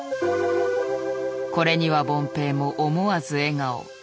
これには凡平も思わず笑顔。